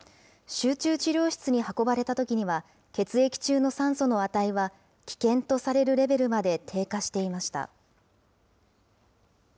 集中治療室に運ばれたときには、血液中の酸素の値は危険とされるレベルまで低下していました。